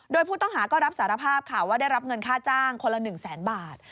โดยผู้ต้องหาก็รับสารภาพค่ะว่าได้รับเงินค่าจ้างคนละ๑แสนบาท